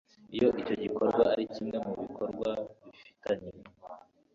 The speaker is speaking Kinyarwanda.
iyo icyo gikorwa ari kimwe mu bikorwa bifitanye